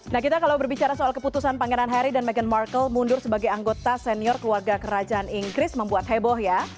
nah kita kalau berbicara soal keputusan pangeran harry dan meghan markle mundur sebagai anggota senior keluarga kerajaan inggris membuat heboh ya